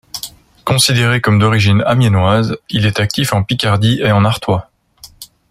Considéré comme d'origine amiénoise, il est actif en Picardie et en Artois.